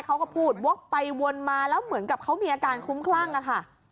เขาก็พูดวกไปวนมาแล้วเหมือนกับเขามีอาการคุ้มคลั่งอะค่ะ